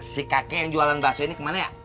si kakek yang jualan bakso ini kemana ya